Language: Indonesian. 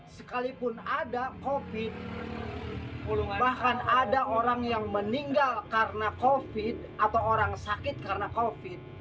sekalipun ada covid sembilan belas bahkan ada orang yang meninggal karena covid sembilan belas atau orang sakit karena covid sembilan belas